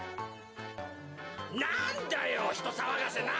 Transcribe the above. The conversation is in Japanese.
なんだよひとさわがせな！